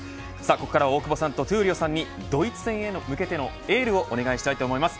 ここからは大久保さんと闘莉王さんにドイツ戦へ向けてのエールをお願いしたいと思います。